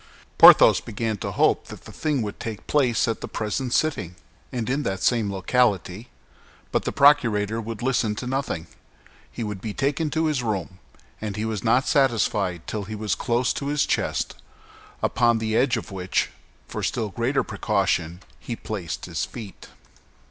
Porthos began to hope that the thing would take place at the present sitting, and in that same locality; but the procurator would listen to nothing, he would be taken to his room, and was not satisfied till he was close to his chest, upon the edge of which, for still greater precaution, he placed his feet.